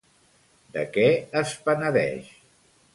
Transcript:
De què es penedeix?